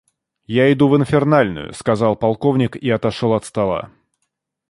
Я иду в инфернальную, — сказал полковник и отошел от стола.